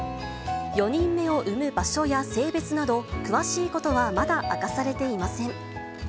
４人目を産む場所や性別など、詳しいことはまだ明かされていません。